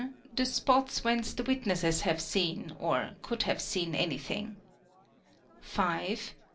the spots whence the witnesses have seen, or could have seen" anything, || v.